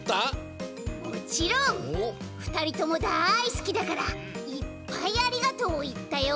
ふたりともだいすきだからいっぱい「ありがとう」をいったよ！